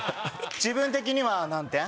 自分的には何点？